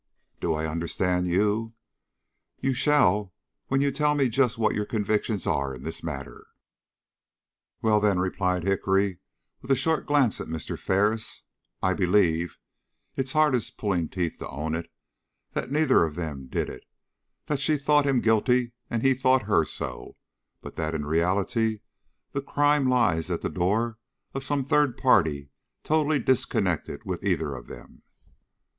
"Do I understand you?" "You shall, when you tell me just what your convictions are in this matter." "Well, then," replied Hickory, with a short glance at Mr. Ferris, "I believe (it's hard as pulling teeth to own it) that neither of them did it: that she thought him guilty and he thought her so, but that in reality the crime lies at the door of some third party totally disconnected with either of them."